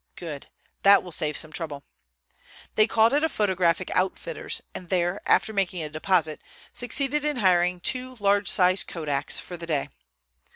"Good. That will save some trouble." They called at a photographic outfitter's, and there, after making a deposit, succeeded in hiring two large size Kodaks for the day.